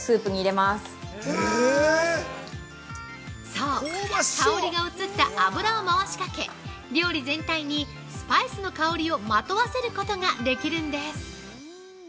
◆そう、香りが移った油を回しかけ、料理全体にスパイスの香りをまとわせることができるんです。